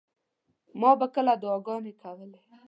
ما به کله دعاګانې کولې.